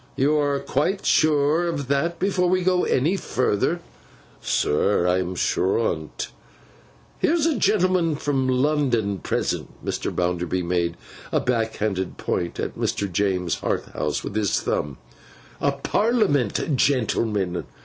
You are quite sure of that before we go any further.' 'Sir, I am sure on 't.' 'Here's a gentleman from London present,' Mr. Bounderby made a backhanded point at Mr. James Harthouse with his thumb, 'a Parliament gentleman.